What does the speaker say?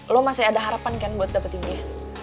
lo masih ada harapan kan buat dapetin dia